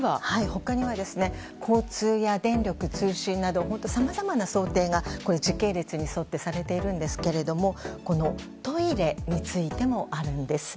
他には交通や電力、通信などさまざまな想定が時系列に沿ってされているんですけれどもトイレについてもあるんです。